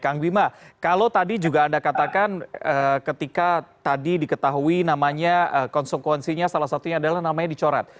kang bima kalau tadi juga anda katakan ketika tadi diketahui namanya konsekuensinya salah satunya adalah namanya dicoret